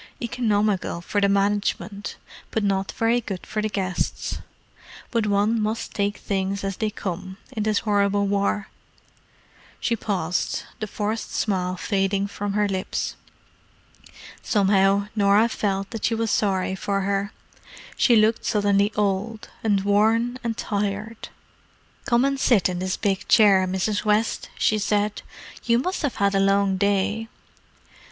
Economical for the management, but not very good for the guests. But one must take things as they come, in this horrible war." She paused, the forced smile fading from her lips. Somehow Norah felt that she was sorry for her: she looked suddenly old, and worn and tired. "Come and sit in this big chair, Mrs. West," she said. "You must have had a long day."